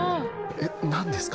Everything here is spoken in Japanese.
「えっ何ですか？」